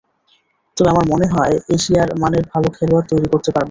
তবে আমার মনে হয়, এশিয়ার মানের ভালো খেলোয়াড় তৈরি করতে পারবে।